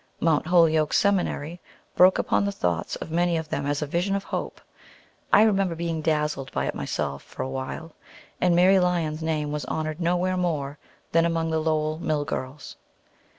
Mount Holyoke Seminary broke upon the thoughts of many of them as a vision of hope, I remember being dazzled by it myself for a while, and Mary Lyon's name was honored nowhere more than among the Lowell mill girls.